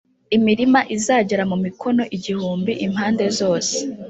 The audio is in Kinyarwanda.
imirima izagere mu mikono igihumbi impande zose.